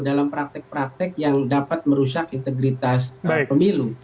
dalam praktek praktek yang dapat merusak integritas pemilu